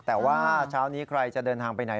แต่ว่าเช้านี้ใครจะเดินทางไปไหน